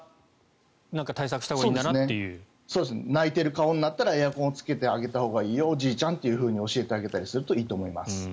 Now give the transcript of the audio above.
泣いている顔になったらエアコンをつけたほうがいいよおじいちゃんと教えてあげたほうがいいと思います。